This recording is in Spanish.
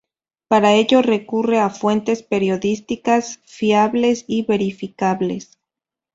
Para ello recurre a fuentes periodísticas fiables y verificables.